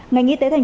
ngành y tế tp cnh